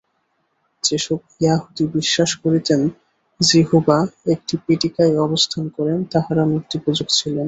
যে-সব য়াহুদী বিশ্বাস করিতেন, জিহোবা একটি পেটিকায় অবস্থান করেন, তাঁহারাও মূর্তিপূজক ছিলেন।